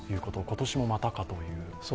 今年もまたかという。